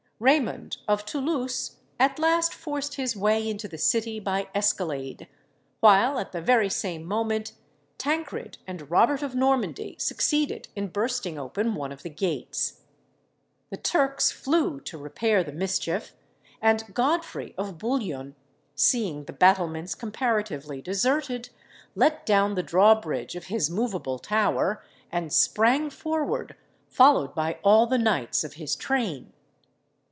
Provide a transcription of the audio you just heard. Raymond of Toulouse at last forced his way into the city by escalade, while at the very same moment Tancred and Robert of Normandy succeeded in bursting open one of the gates. The Turks flew to repair the mischief, and Godfrey of Bouillon, seeing the battlements comparatively deserted, let down the drawbridge of his moveable tower, and sprang forward, followed by all the knights of his train.